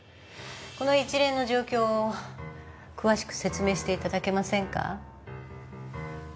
この一連の状況を詳しく説明していただけませんか？